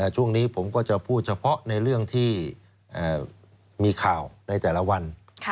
ช่วงนี้ผมก็จะพูดเฉพาะในเรื่องที่มีข่าวในแต่ละวัน